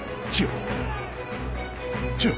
千代？